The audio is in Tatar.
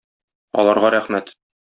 Аларга рәхмәт.